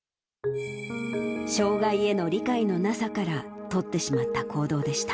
障がいへの理解のなさから取ってしまった行動でした。